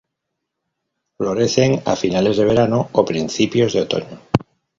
Florecen a finales de verano o principios de otoño.